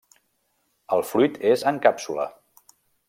El fruit és en càpsula.